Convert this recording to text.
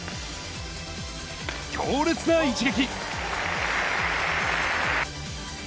強烈な一撃。